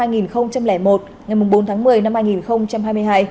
ngày bốn tháng một mươi năm hai nghìn một ngày bốn tháng một mươi năm hai nghìn hai mươi hai